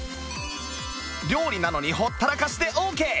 料理なのにほったらかしでオーケー！